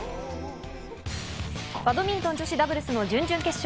バドミントン・女子ダブルスの準々決勝。